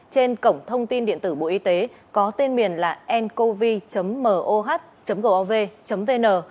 trên cổng thông tin điện tử bộ y tế có tên miền là ncov moh gov vn